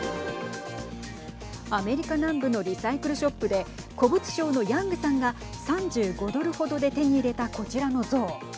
アメリカ南部のリサイクルショップで古物商のヤングさんが３５ドルほどで手に入れた、こちらの像。